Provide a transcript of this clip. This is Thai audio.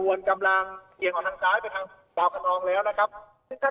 กฎฮวันตาลทางซ้ายมาทั้งเธอเข็มเลยนะครับ